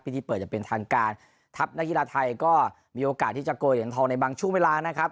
พิธีเปิดจะเป็นทางการทัพนักกีฬาไทยก็มีโอกาสที่จะเกลียดอย่างทองในบางช่วงเวลานะครับ